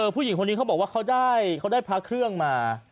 ผู้หญิงคนนี้เขาบอกว่าเขาได้พระเครื่องมา